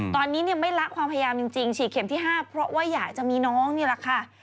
ตอนนี้ไม่ละความพยายามจริงฉีดเข็มที่๕เพราะว่าอยากจะมีน้องนี่แหละค่ะ